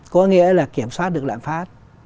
có nghĩa là kiểm soát được lãng phát